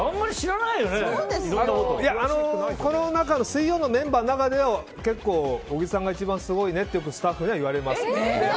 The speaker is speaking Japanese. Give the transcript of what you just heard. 水曜のメンバーの中で結構、小木さんが一番すごいねってよくスタッフには言われますね。